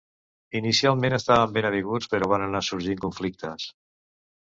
Inicialment estaven ben avinguts però van anar sorgint conflictes.